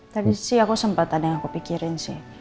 tapi sih aku sempat ada yang aku pikirin sih